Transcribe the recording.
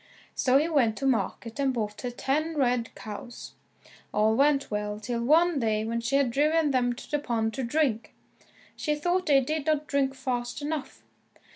So he went to market and bought her ten red cows. All went well till one day when she had driven them to the pond to drink, she thought they did not drink fast enough.